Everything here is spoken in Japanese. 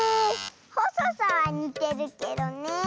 ほそさはにてるけどねえ。